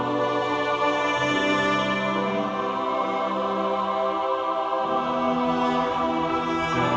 seseorang yang menyuruh memudar